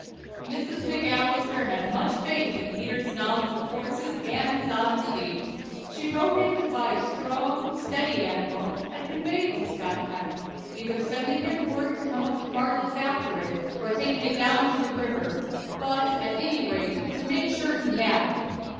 Mrs. McAlister had much faith in Peter's knowledge of horses and his honesty. She wrote him to buy a strong, steady animal, and convey it to Scott Peck, either sending him word to come up to Bartlett's after it, or taking it down the river; but, at any rate, to make sure he had it.